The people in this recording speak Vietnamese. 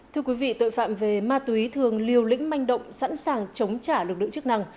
thưa quý vị tội phạm về ma túy thường liều lĩnh manh động sẵn sàng chống trả lực lượng chức năng